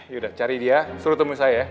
yaudah cari dia suruh temui saya ya